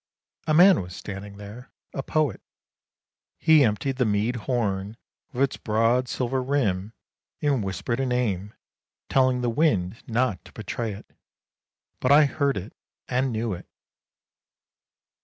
A man was standing there, a poet. He emptied the mead horn with its broad silver rim and whispered a name, telling the wind not to betray it; but I heard it and 236 ANDERSEN'S FAIRY TALES knew it.